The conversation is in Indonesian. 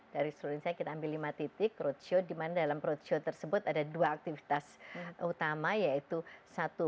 dari seluruh indonesia kita ambil lima titik roadshow dimana dalam roadshow tersebut ada dua aktivitas utama yaitu satu